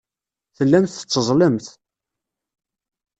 Tellamt tetteẓẓlemt.